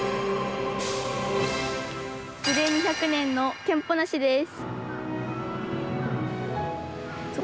樹齢２００年のケンポナシです。